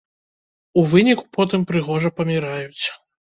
У выніку потым прыгожа паміраюць.